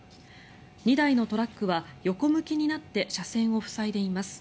２台のトラックは横向きになって車線を塞いでいます。